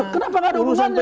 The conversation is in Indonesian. kenapa enggak ada hubungannya